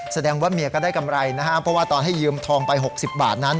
แสดงว่าเมียก็ได้กำไรนะฮะเพราะว่าตอนให้ยืมทองไป๖๐บาทนั้น